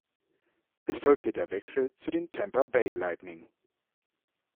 Es folgte der Wechsel zu den Tampa Bay Lightning.